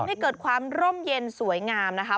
ให้เกิดความร่มเย็นสวยงามนะคะ